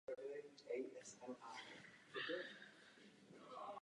Následně se vrátil do Evropy a působil v německých soutěžích a také ve Švýcarsku.